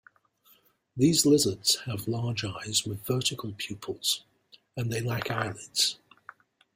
These lizards have large eyes with vertical pupils, and they lack eyelids.